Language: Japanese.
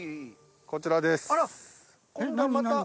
こちらです。